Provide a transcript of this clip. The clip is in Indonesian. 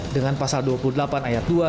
dengan pasal dua puluh delapan ayat dua